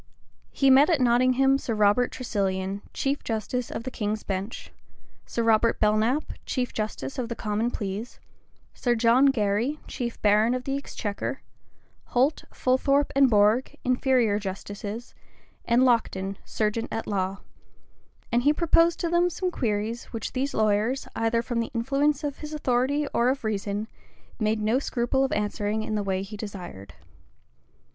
He met at Nottingham Sir Robert Tresilian, chief justice of the king's bench, Sir Robert Belknappe, chief justice of the common pleas, Sir John Gary, chief baron of the exchequer, Holt, Fulthorpe, and Bourg, inferior justices, and Lockton, serjeant at law; and he proposed to them some queries, which these lawyers, either from the influence of his authority or of reason, made no scruple of answering in the way he desired.